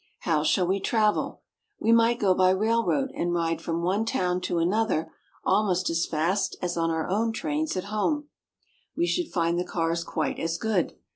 How shall we travel t We might go by railroad and ride from one town to another almost as fast as on our trains at home. We should find the cars quite as good.